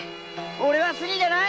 俺はスリじゃない！